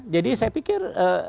jadi saya pikir